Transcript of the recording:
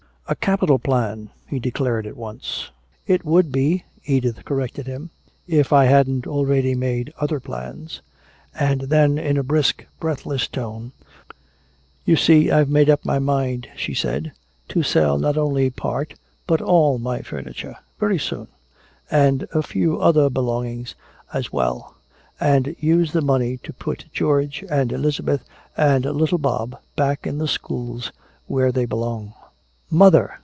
"A capital plan!" he declared at once. "It would be," Edith corrected him, "if I hadn't already made other plans." And then in a brisk, breathless tone, "You see I've made up my mind," she said, "to sell not only part but all my furniture very soon and a few other belongings as well and use the money to put George and Elizabeth and little Bob back in the schools where they belong." "Mother!"